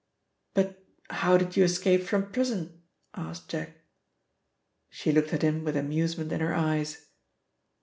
"But how did you escape from prison?" asked Jack. She looked at him with amusement in her eyes.